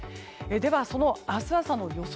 では、明日朝の予想